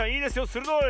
するどい！